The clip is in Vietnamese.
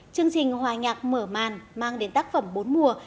chương trình hòa nhạc mở màn mang đến tác phẩm bốn mùa